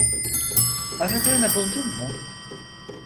Aradığını buldun mu?